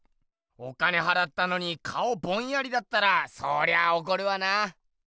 お金はらったのに顔ボンヤリだったらそりゃあおこるわな。